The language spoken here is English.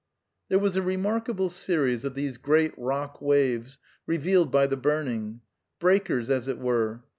There was a remarkable series of these great rock waves revealed by the burning; breakers, as it were.